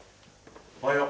おはよう。